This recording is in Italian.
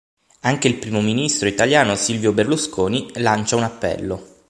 Anche il primo ministro italiano Silvio Berlusconi lancia un appello.